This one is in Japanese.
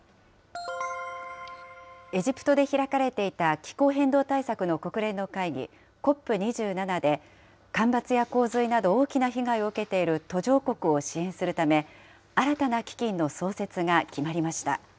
エジプトで開かれていた気候変動対策の国連の会議、ＣＯＰ２７で、干ばつや洪水など大きな被害を受けている途上国を支援するため、新たな基金の創設が決まりました。